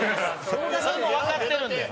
それも、わかってるんで。